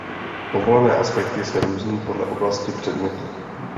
Povolené aspekty se různí podle oblasti předmětu.